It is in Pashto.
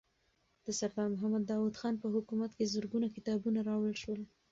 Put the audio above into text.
د سردار محمد داود خان په حکومت کې زرګونه کتابونه راوړل شول.